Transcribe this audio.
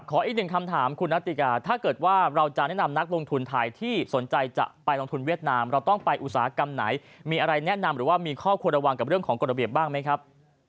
อีกหนึ่งคำถามคุณนัตติกาถ้าเกิดว่าเราจะแนะนำนักลงทุนไทยที่สนใจจะไปลงทุนเวียดนามเราต้องไปอุตสาหกรรมไหนมีอะไรแนะนำหรือว่ามีข้อควรระวังกับเรื่องของกฎระเบียบบ้างไหมครับ